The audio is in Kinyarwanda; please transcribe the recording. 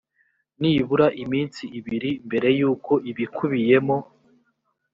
nibura iminsi ibiri mbere y uko ibiyikubiyemo